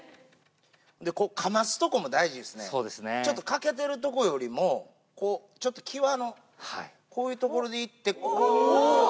噛ますとこも大事ですねちょっと欠けてるとこよりもこうちょっと際のこういうところでいって。